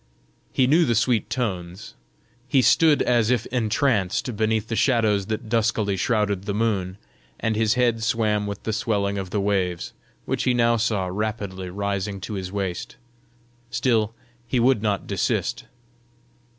He knew the sweet tones; he stood as if entranced beneath the shadows that duskily shrouded the moon, and his head swam with the swelling of the waves, which he now saw rapidly rising to his waist. Still he would not desist.